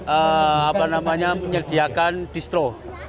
apa namanya menyediakan distro